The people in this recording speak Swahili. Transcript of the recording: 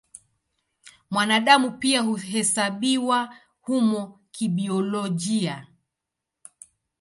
Mwanadamu pia huhesabiwa humo kibiolojia.